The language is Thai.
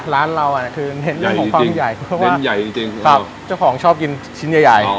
ร้านเราอ่ะคือเน้นเรื่องของความใหญ่เพราะว่าเจ้าของชอบกินชิ้นใหญ่ใหญ่